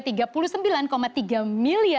ini adalah produk yang sangat terkenal di dunia